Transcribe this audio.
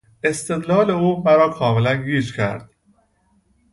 استدلال او مرا کاملا گیج کرد.